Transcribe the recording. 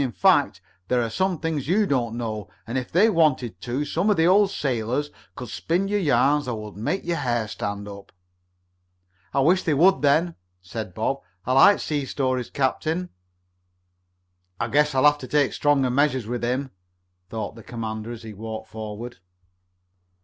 In fact, there are some things you don't know, and, if they wanted to, some of the old sailors could spin you yarns that would make your hair stand up." "I wish they would then," said Bob. "I like sea stories, captain." "I guess I'll have to take stronger measures with him," thought the commander as he walked forward.